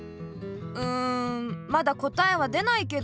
うんまだこたえはでないけど。